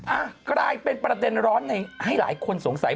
อ่ะกลายเป็นประเด็นร้อนให้หลายคนสงสัย